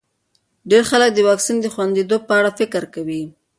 ډېر خلک د واکسین د خونديتوب په اړه فکر کوي.